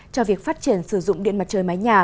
cho việc phát triển sử dụng điện mặt trời mái nhà